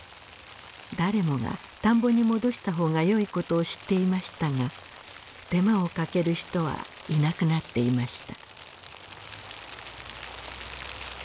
誰もが田んぼに戻した方がよいことを知っていましたが手間をかける人はいなくなっていました。